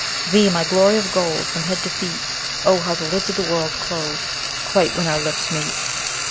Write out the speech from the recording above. Thee, my glory of gold, from head to feet! Oh, how the lids of the world close quite when our lips meet!